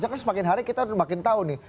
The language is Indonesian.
karena semakin hari kita makin tahu nih